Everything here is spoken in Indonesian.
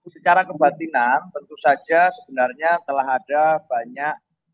secara kebatinan tentu saja sebenarnya telah ada banyak